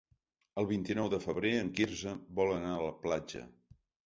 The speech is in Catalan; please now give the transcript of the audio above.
El vint-i-nou de febrer en Quirze vol anar a la platja.